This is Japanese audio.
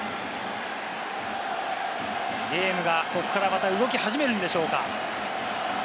ゲームがここからまた動き始めるんでしょうか？